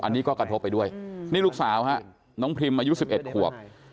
อันนี้ก็กระทบไปด้วยนี่ลูกสาวฮะน้องพรีมอายุ๑๑ขวบ